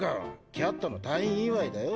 キャットの退院祝いだよ。